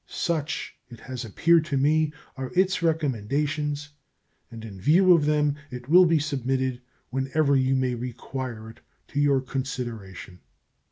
Such, it has appeared to me, are its recommendations, and in view of them it will be submitted, whenever you may require it, to your consideration.